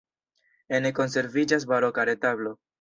Ene konserviĝas baroka retablo.